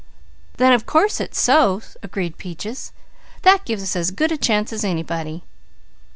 "Then of course it's so," agreed Peaches. "That gives us as good a chance as anybody."